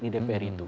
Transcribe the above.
di dpr itu